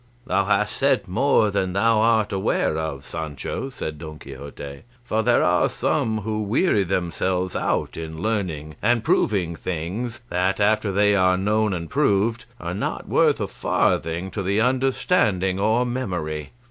"Thou hast said more than thou art aware of, Sancho," said Don Quixote; "for there are some who weary themselves out in learning and proving things that, after they are known and proved, are not worth a farthing to the understanding or memory."